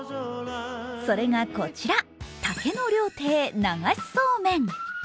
それがこちら、竹の涼亭流しそうめん。